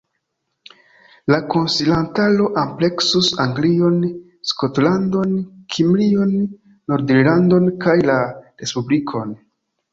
La konsilantaro ampleksus Anglion, Skotlandon, Kimrion, Nord-Irlandon kaj la Respublikon.